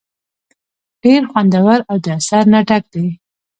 ډېر خوندور او د اثر نه ډک دے ۔